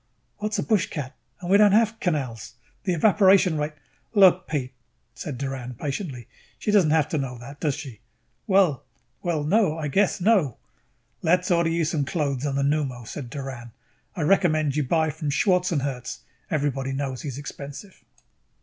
"What's a bushcat? And we don't have canals. The evaporation rate " "Look, Pete," said Doran patiently. "She don't have to know that, does she?" "Well well, no. I guess not No." "Let's order you some clothes on the pneumo," said Doran. "I recommend you buy from Schwartzherz. Everybody knows he is expensive."